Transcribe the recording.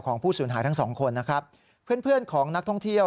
ของผู้ศูนย์หายทั้ง๒คนนะครับเพื่อนของนักท่องเที่ยว